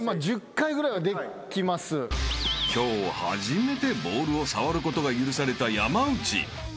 ［今日初めてボールを触ることが許された山内］